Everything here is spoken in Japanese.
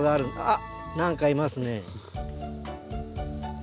あっ何かいますね。